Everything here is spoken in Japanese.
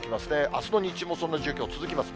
あすの日中もそんな状況、続きます。